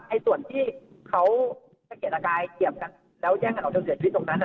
ไอ้ส่วนที่เขาจะเกลียดตะกายเหยียบกันแล้วแจ้งกันออกจากเหลือที่ตรงนั้นน่ะ